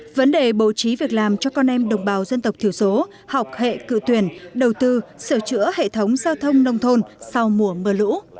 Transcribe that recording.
vấn đề bổ trí việc làm cho con em đồng bào dân tộc thiểu số học hệ cự tuyển đầu tư sửa chữa hệ thống giao thông nông thôn sau mùa mưa lũ